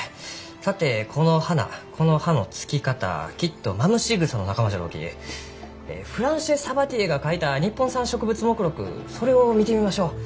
さてこの花この葉のつき方きっとマムシグサの仲間じゃろうきフランシェ・サバティエが書いた「日本産植物目録」それを見てみましょう。